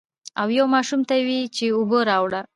او يو ماشوم ته يې ووې چې اوبۀ راوړه ـ